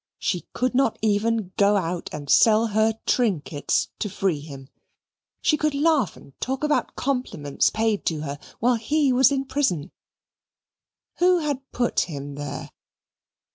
She could not even go out and sell her trinkets to free him. She could laugh and talk about compliments paid to her, whilst he was in prison. Who had put him there?